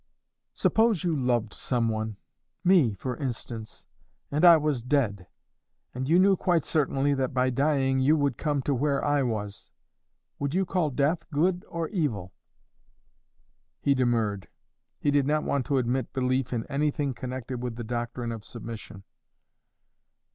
"Suppose you loved someone me, for instance and I was dead, and you knew quite certainly that by dying you would come to where I was would you call death good or evil?" He demurred. He did not want to admit belief in anything connected with the doctrine of submission.